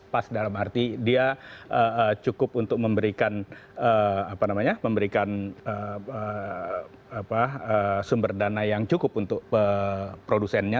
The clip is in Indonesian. pas dalam arti dia cukup untuk memberikan sumber dana yang cukup untuk produsennya